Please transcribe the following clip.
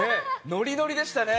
ノリノリでしたね。